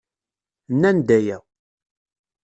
Nnan-d aya.